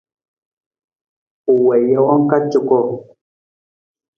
U wii jawang ka cuko.